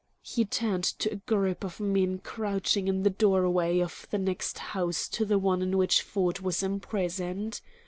He turned to a group of men crouching in the doorway of the next house to the one in which Ford was imprisoned.